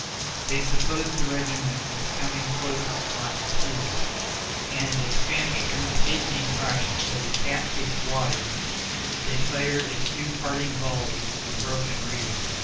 They supposed the regiment was coming close on its heels, and as Spanish troops hate being rushed as a cat hates water, they fired a few parting volleys and broke and ran.